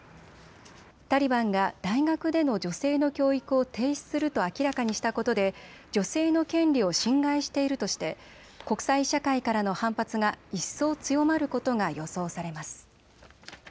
タリバンが大学での女性の教育を停止すると明らかにしたことで女性の権利を侵害しているとして国際社会からの反発が一層強まることが予想されます。